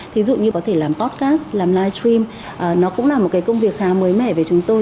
ví dụ như có thể làm podcast làm live stream nó cũng là một công việc khá mới mẻ về chúng tôi